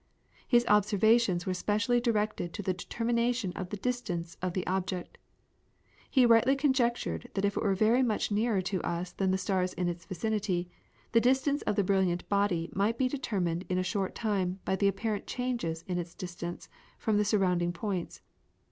His observations were specially directed to the determination of the distance of the object. He rightly conjectured that if it were very much nearer to us than the stars in its vicinity, the distance of the brilliant body might be determined in a short time by the apparent changes in its distance from the surrounding points.